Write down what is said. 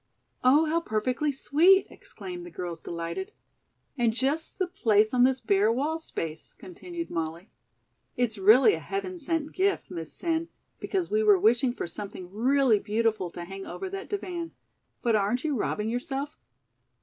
"Oh, how perfectly sweet," exclaimed the girls, delighted. "And just the place on this bare wall space!" continued Molly. "It's really a heaven sent gift, Miss Sen, because we were wishing for something really beautiful to hang over that divan. But aren't you robbing yourself?"